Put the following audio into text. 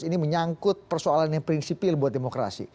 ini menyangkut persoalan yang prinsipil buat demokrasi